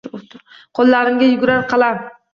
Qo’llarimda yugurar qalam.